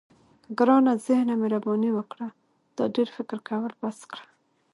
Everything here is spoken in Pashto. ګرانه ذهنه مهرباني وکړه دا ډېر فکر کول بس کړه.